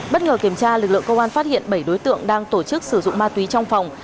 bất ngờ kiểm tra lực lượng công an phát hiện bảy đối tượng đang tổ chức sử dụng ma túy trong phòng